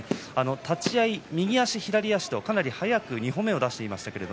立ち合い右足、左足とかなり早く２歩目を出していました。